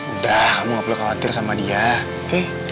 udah kamu gak perlu khawatir sama dia oke